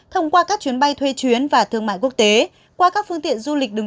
thông qua các chuyến bay thuê chuyến và thương mại quốc tế qua các phương tiện du lịch đường